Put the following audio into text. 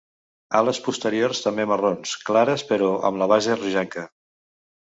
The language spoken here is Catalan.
Ales posteriors també marrons clares però amb la base rogenca.